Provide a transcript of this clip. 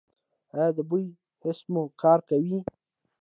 ایا د بوی حس مو کار کوي؟